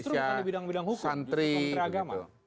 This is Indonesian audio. justru bukan di bidang bidang hukum justru menteri agama